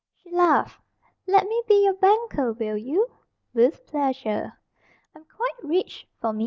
She laughed. "Let me be your banker, will you?" "With pleasure." "I'm quite rich, for me.